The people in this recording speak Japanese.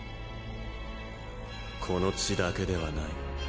この地だけではない。